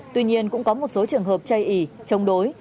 tuy nhiên cũng có một số trường hợp chay ỉ chống đối